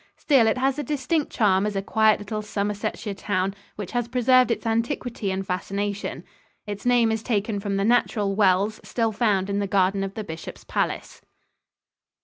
Still it has a distinct charm as a quiet little Somersetshire town which has preserved its antiquity and fascination. Its name is taken from the natural wells still found in the garden of the Bishop's palace.